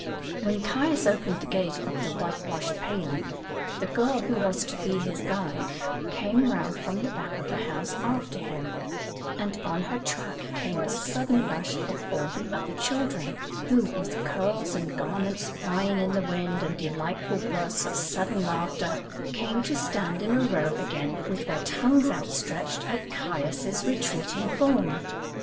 When Caius opened the gate of the whitewashed paling, the girl who was to be his guide came round from the back of the house after him, and on her track came a sudden rush of all the other children, who, with curls and garments flying in the wind and delightful bursts of sudden laughter, came to stand in a row again with their tongues outstretched at Caius' retreating form.